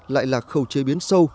lại là khẩu chế biến sâu